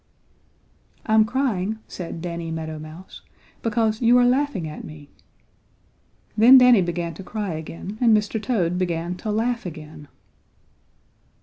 "I'm crying," said Danny Meadow Mouse, "because you are laughing at me." Then Danny began to cry again, and Mr. Toad began to laugh again.